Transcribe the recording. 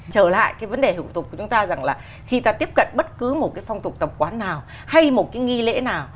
trở lại cái vấn đề hủ tục của chúng ta rằng là khi ta tiếp cận bất cứ một cái phong tục tập quán nào hay một cái nghi lễ nào